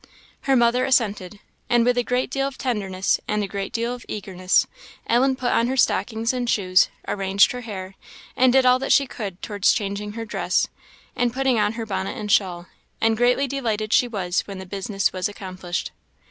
Her mother assented; and with a great deal of tenderness, and a great deal of eagerness, Ellen put on her stockings and shoes, arranged her hair, and did all that she could towards changing her dress, and putting on her bonnet and shawl; and greatly delighted she was when the business was accomplished.